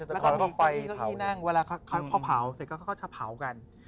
ตั้งใดก็เต็มแล้วก็เขาก็กินสอนแล้วพ่อเผากัน